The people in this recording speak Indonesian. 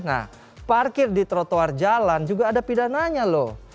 nah parkir di trotoar jalan juga ada pidananya loh